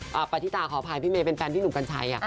ปฏิตาขออภัยพี่เมย์เป็นแฟนพี่หนุ่มกัญชัย